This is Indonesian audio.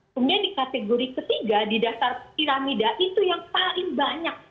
kemudian di kategori ketiga di dasar piramida itu yang paling banyak